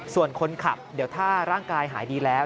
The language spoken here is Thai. ส่วนคนขับเดี๋ยวถ้าร่างกายหายดีแล้ว